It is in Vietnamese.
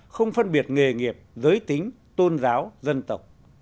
không phân biệt nghề nghiệp giới tính tôn giáo dân tộc